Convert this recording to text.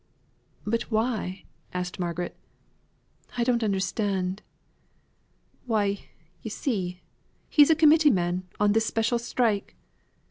"But why?" asked Margaret. "I don't understand." "Why, yo' see, he's a committee man on this special strike.